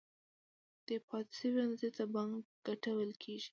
دې پاتې شوې اندازې ته بانکي ګټه ویل کېږي